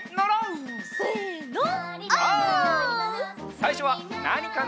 さいしょはなにかな？